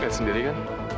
gak sendiri kan